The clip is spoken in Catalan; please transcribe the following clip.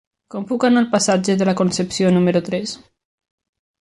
Com puc anar al passatge de la Concepció número tres?